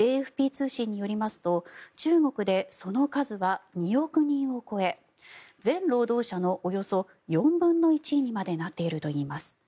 ＡＦＰ通信によりますと中国でその数は２億人を超え全労働者のおよそ４分の１にまでなっているといいます。